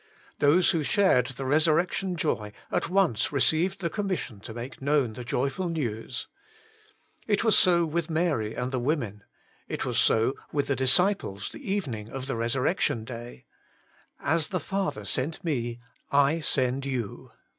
Those who shared the resurrection joy at once received the commission to make known the joyful news. It was so with Mary and the women. It was so with the disciples the evening of the resurrec tion day. * As the Father sent Me, I send you.'